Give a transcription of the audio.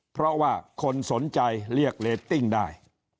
เพราะว่าคนสนใจเรียกเรตติ้งได้